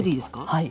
はい。